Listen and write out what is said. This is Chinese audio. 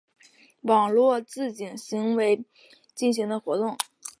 网络自警行为进行的活动。